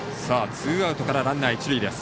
ツーアウトからランナー、一塁です。